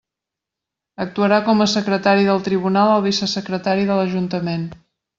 Actuarà com a secretari del Tribunal el vicesecretari de l'Ajuntament.